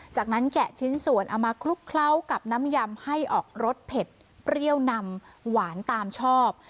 จากนั้นแกะชิ้นส่วนเอามาคลุกเคล้ากับน้ำยำให้ออกรสเผ็ดเปรี้ยวนำหวานตามชอบ